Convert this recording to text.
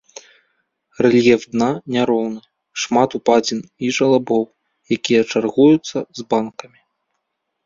Рэльеф дна няроўны, шмат упадзін і жалабоў, якія чаргуюцца з банкамі.